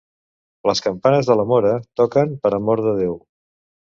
Les campanes de la Móra toquen per amor de Déu.